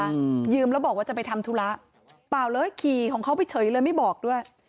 อืมยืมแล้วบอกว่าจะไปทำธุระเปล่าเลยขี่ของเขาไปเฉยเลยไม่บอกด้วย